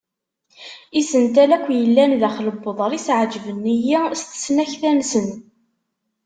Isental akk yellan daxel n uḍris ɛejven-iyi s tesnakta-nsen.